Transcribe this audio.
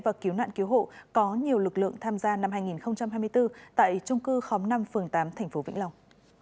và cứu nạn cứu hộ có nhiều lực lượng tham gia năm hai nghìn hai mươi bốn tại trung cư khóm năm phường tám tp vĩnh long